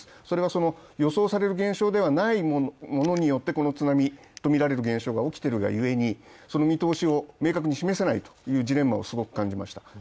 それは予想される現象ではないものによって、この津波とみられる現象が起きているがゆえにその見通しを明確に示せないというジレンマを感じました。